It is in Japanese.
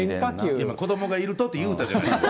今、子どもがいるとって言うたじゃないですか。